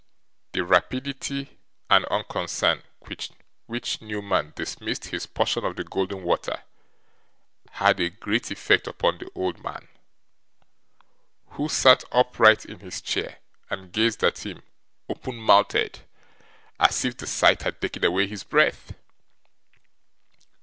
The rapidity and unconcern with which Newman dismissed his portion of the golden water, had a great effect upon the old man, who sat upright in his chair, and gazed at him, open mouthed, as if the sight had taken away his breath.